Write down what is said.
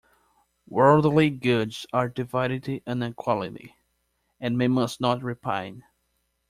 Worldly goods are divided unequally, and man must not repine.